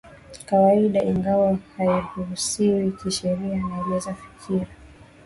kawaida ingawa hairuhusiwi kisheria anaeleza Fikiri